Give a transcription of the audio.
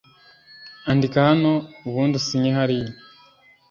Andika hano ubundi usinye hariya